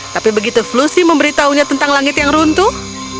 tapi begitu flusi memberitahunya tentang langit yang runtuh